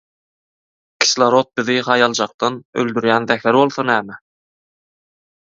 Kislorod bizi haýaljakdan öldürýän zäher bolsa näme?